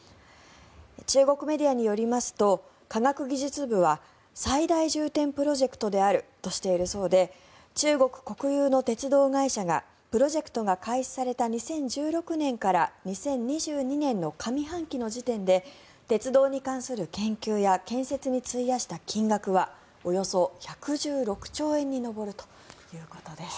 中国メディアによりますと科学技術部は最大重点プロジェクトであるとしているそうで中国国有の鉄道会社がプロジェクトが開始された２０１６年から２０２２年の上半期の時点で鉄道に関する研究や建設に費やした金額はおよそ１１６兆円に上るということです。